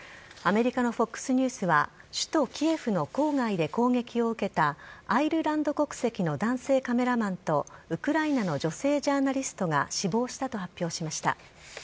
アメリカのＦＯＸニュースは、首都キエフの郊外で攻撃を受けた、アイルランド国籍の男性カメラマンと、ウクライナの女性ジャーナリストが死亡したと発表しました。